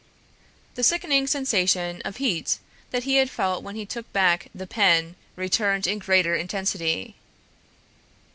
The sickening sensation of heat that he had felt when he took back the pen returned in greater intensity.